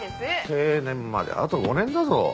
定年まであと５年だぞ。